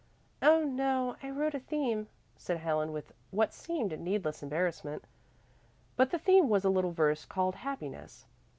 "Oh, no, I wrote a theme," said Helen with what seemed needless embarrassment. But the theme was a little verse called "Happiness."